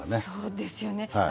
そうですよね。